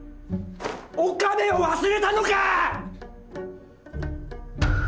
「おかめ」を忘れたのか！